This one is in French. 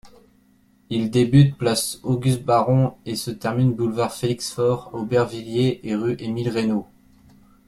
Il débute place Auguste-Baron et se termine boulevard Félix-Faure à Aubervilliers et rue Émile-Reynaud.